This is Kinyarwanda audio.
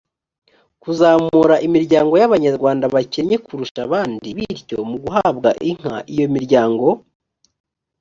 kuzamura imiryango y abanyarwanda bakennye kurusha abandi bityo mu guhabwa inka iyo miryango